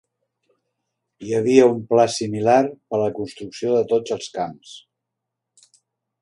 Hi havia un pla similar per a la construcció de tots els camps.